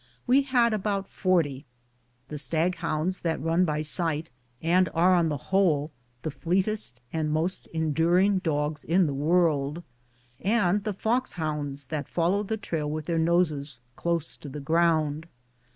We had about forty : the stag hounds INCIDENTS OF EVERY DAY LIFE. 107 that run by sight, and are on the whole the fleetest and most enduring dogs in the world, and the fox honnds that follow the trail with their noses close to the ground.